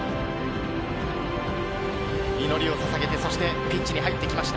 祈りをささげて、そしてピッチに入ってきました。